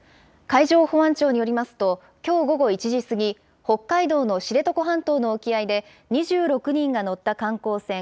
海上保安庁によりますと、きょう午後１時過ぎ、北海道の知床半島の沖合で、２６人が乗った観光船